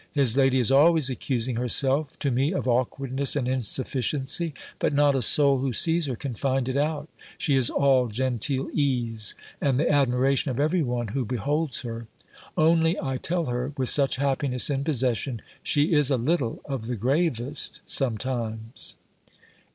His lady is always accusing herself to me of awkwardness and insufficiency; but not a soul who sees her can find it out; she is all genteel ease; and the admiration of every one who beholds her. Only I tell her, with such happiness in possession, she is a little of the gravest sometimes.